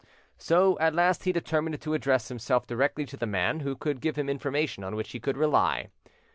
So at last he determined to address himself directly to the man who could give him information on which he could rely.